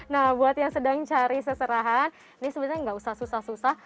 nah buat yang sedang cari seserahan ini sebenarnya nggak usah susah susah